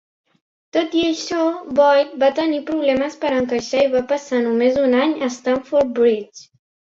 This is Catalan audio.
Tot i això, Boyd va tenir problemes per encaixar i va passar només un any a Stamford Bridge.